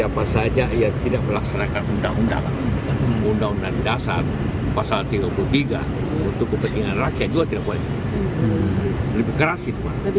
pak jk pak trik sehat wali